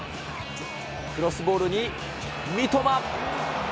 クロスボールに三笘。